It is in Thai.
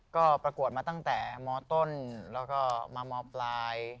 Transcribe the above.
ก็ประกวดมาตั้งแต่มต้นแล้วก็มามปลาย